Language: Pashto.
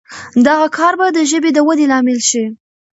دغه کار به د ژبې د ودې لامل شي.